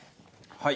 はい。